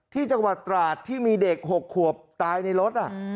ที่จังหวัดตราดที่มีเด็ก๖ขวบตายในรถ